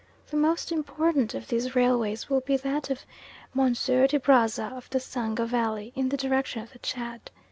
The most important of these railways will be that of M. de Brazza up the Sanga valley in the direction of the Chad.